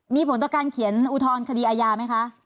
มีผลต่อการเขียนอุทธรณคดีอาญาไหมคะ